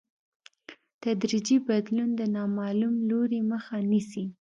تدریجي بدلون د نامعلوم لوري مخه نیسي.